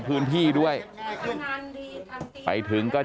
สวัสดีครับคุณผู้ชาย